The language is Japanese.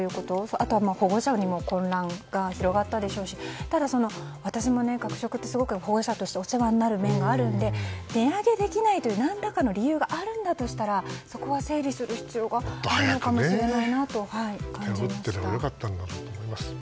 あとは保護者にも混乱が広がったでしょうし私も学食って保護者としてお世話になる面があるので値上げできないという何らかの理由があるんだとしたらそこは整理する必要があるかもしれないなと感じました。